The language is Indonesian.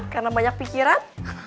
karena banyak pikiran